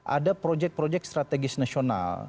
ada proyek proyek strategis nasional